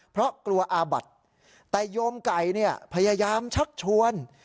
เพราะกลัวอาบัติแต่โยมไก่เนี่ยพยายามชักชวน